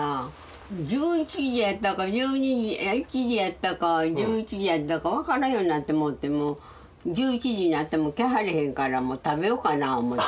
１１時やったか１２時１時やったか１１時やったか分からんようになってもうてもう１１時になっても来はれへんからもう食べようかな思て。